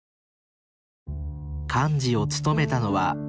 幹事を務めたのはぼく。